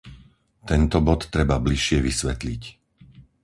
Tento bod treba bližšie vysvetliť.